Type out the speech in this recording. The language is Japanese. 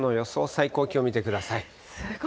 最高気温を見てください。